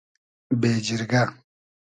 بېجیرگۂ